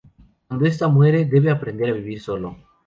Cuando esta muere, debe aprender a vivir solo.